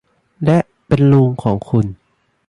และเป็นลุงของคุณ